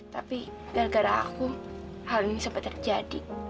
tapi gara gara aku hal ini sempat terjadi